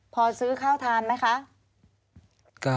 พอซื้อข้าวทานไหมคะ